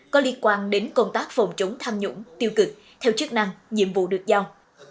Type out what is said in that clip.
có liên quan đến công tác phòng chống tham nhũng tiêu cực theo chức năng nhiệm vụ được giao